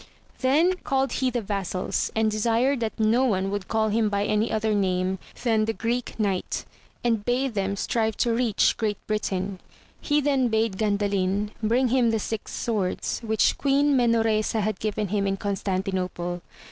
22 AMADIS OF GAUL. Then called be the vassals, and desired that no one would call him by any other name, than the Greek Knight, and bade them strive to reach Great Britain. He then bade Gandalin bring him the six swords, which Queen Menoresa had given him in Constanti nople.